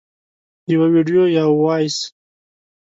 - یو ویډیو یا Voice 🎧